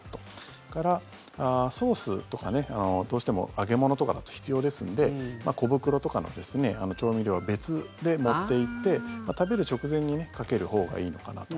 それから、ソースとかねどうしても揚げ物とかだと必要ですので小袋とかの調味料は別で持っていって食べる直前にかけるほうがいいのかなと。